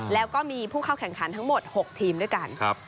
แล้วก็มีผู้เข้าแข่งขันทั้งหมด๖ทีมด้วยกัน